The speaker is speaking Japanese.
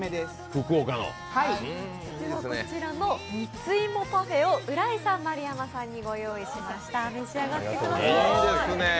こちらのミツイモパフェを浦井さん、丸山さんにご用意しました。